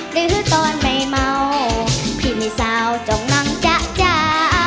หรือตอนไม่เมาพี่มีสาวจงนางจ๊ะจ้า